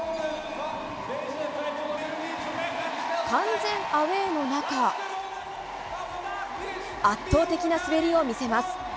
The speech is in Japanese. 完全アウェーの中圧倒的な滑りを見せます。